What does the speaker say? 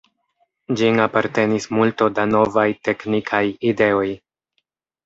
Ĝin apartenis multo da novaj teknikaj ideoj.